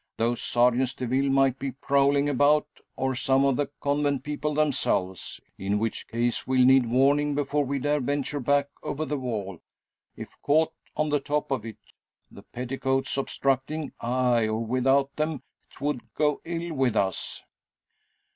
Those sergens de ville might be prowling about, or some of the convent people themselves: in which case we'll need warning before we dare venture back over the wall. If caught on the top of it, the petticoats obstructing aye, or without them 'twould go ill with us."